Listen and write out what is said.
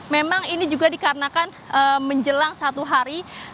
memang ini juga dikarenakan menjelang satu hari